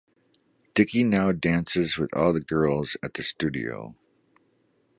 Dicky now dances with all the girls at the studio.